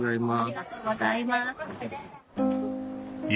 ありがとうございます。